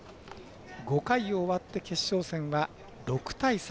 ５回を終わって決勝戦は６対３。